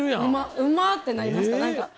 うま！ってなりました何か。